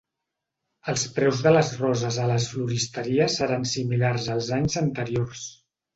Els preus de les roses a les floristeries seran similars als anys anteriors.